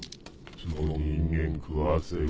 その人間食わせろ。